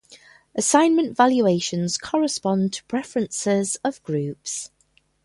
Assignment valuations correspond to preferences of groups.